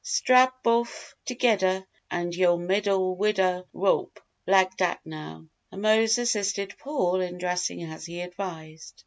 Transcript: Strap bof' togedder about yo' middle wid'da rope lik' dat, now!" And Mose assisted Paul in dressing as he advised.